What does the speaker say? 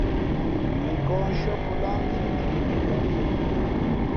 Ghen nkᾱᾱ nshʉ̄ᾱ pō lǎh nzᾱ njoʼ mbuānzᾱ.